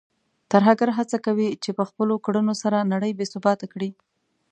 ترهګر هڅه کوي چې په خپلو کړنو سره نړۍ بې ثباته کړي.